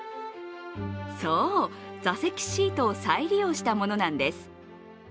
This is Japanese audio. そう、座席シートを再利用したものなんです。